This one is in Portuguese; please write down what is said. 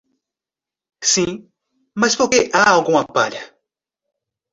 Sim, mas por que há alguma palha?